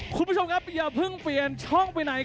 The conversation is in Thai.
คุณผู้ชมครับอย่าเพิ่งเปลี่ยนช่องไปไหน